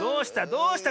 どうした？